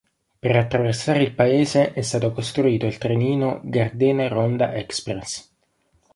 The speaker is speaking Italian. Per attraversare il paese è stato costruito il trenino Gardena Ronda Express.